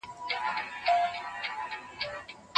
په خپله ژبه ویاړ وکړئ.